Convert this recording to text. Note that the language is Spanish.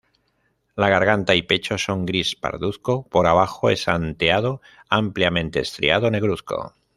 La garganta y pecho son gris parduzco; por abajo es anteado, ampliamente estriado negruzco.